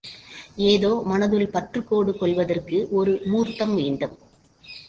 ஏதோ மனதுள் பற்றுக் கோடு கொள்வதற்கு ஒரு மூர்த்தம் வேண்டும்.